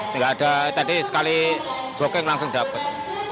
tidak ada tadi sekali bokeh langsung dapet